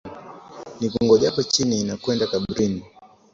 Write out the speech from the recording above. Nikungojapo chini, nakwenda kaburini